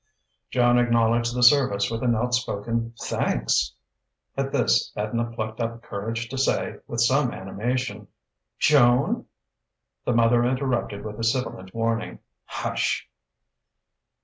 Joan acknowledged the service with an outspoken "Thanks." At this Edna plucked up courage to say, with some animation: "Joan " The mother interrupted with a sibilant warning, "_Hush!